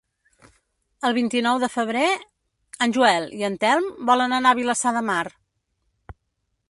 El vint-i-nou de febrer en Joel i en Telm volen anar a Vilassar de Mar.